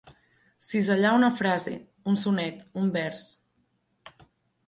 Cisellar una frase, un sonet, un vers.